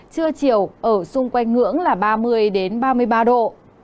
trưa chiều ở xung quanh ngưỡng là ba mươi ba mươi ba độ